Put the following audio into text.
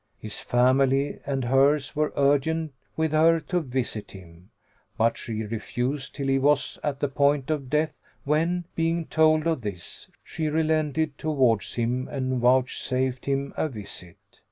His family and hers were urgent with her to visit him, but she refused, till he was at the point of death when, being told of this, she relented towards him and vouchsafed him a visit.